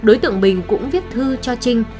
đối tượng bình cũng viết thư cho trinh